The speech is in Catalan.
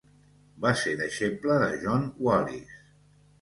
Va ser deixeble de John Wallis.